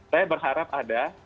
saya berharap ada